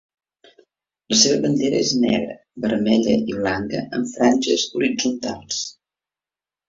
La seva bandera és negra, vermella i blanca en franges horitzontals.